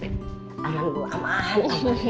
aman bu aman